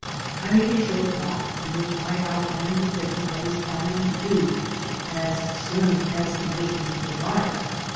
I made a short talk in which I outlined the things I was planning to do as soon as conditions were right.